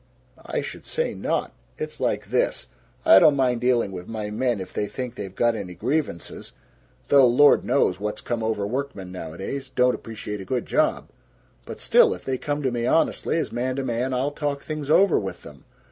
I should say not! It's like this: I don't mind dealing with my men if they think they've got any grievances though Lord knows what's come over workmen, nowadays don't appreciate a good job. But still, if they come to me honestly, as man to man, I'll talk things over with them.